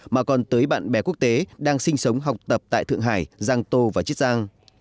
mà còn tới bạn bè quốc tế đang sinh sống học tập tại thượng hải giang tô và chiết giang